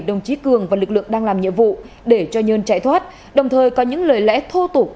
đồng chí cường và lực lượng đang làm nhiệm vụ để cho nhân chạy thoát đồng thời có những lời lẽ thô tục